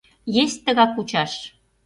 — Есть тыгак кучаш!